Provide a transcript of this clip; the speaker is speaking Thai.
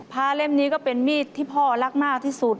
เล่มนี้ก็เป็นมีดที่พ่อรักมากที่สุด